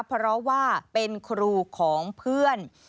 เพราะว่าเป็นครูของเพื่อน